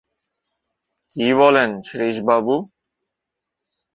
কী বলেন শ্রীশবাবু?